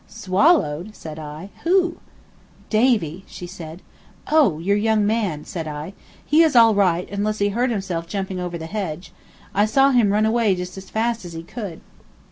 "Swallowed?" said I. "Who?" "Davy," said she. "Oh, your young man," said I. "He is all right, unless he hurt himself jumping over the hedge. I saw him run away just as fast as he could."